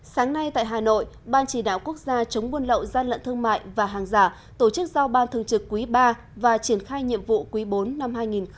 sáng nay tại hà nội ban chỉ đạo quốc gia chống buôn lậu gian lận thương mại và hàng giả tổ chức giao ban thường trực quý ba và triển khai nhiệm vụ quý bốn năm hai nghìn hai mươi